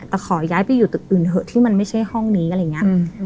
แต่ขอย้ายไปอยู่ตึกอื่นเถอะที่มันไม่ใช่ห้องนี้อะไรอย่างนี้